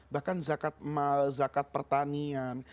bahkan zakat mal zakat pertanian